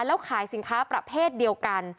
แล้วขายสินค้าประเภทเดียวกัน